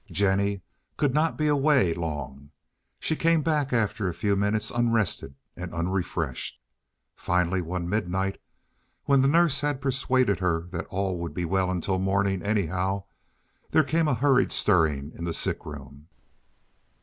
Jennie could not be away long. She came back after a few minutes unrested and unrefreshed. Finally one midnight, when the nurse had persuaded her that all would be well until morning anyhow, there came a hurried stirring in the sick room.